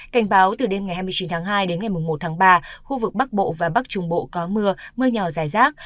cảnh báo từ đêm ngày hai mươi chín tháng hai đến ngày một tháng ba khu vực bắc bộ và bắc trung bộ có mưa mưa nhỏ dài rác